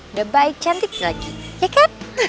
udah baik cantik lagi ya kan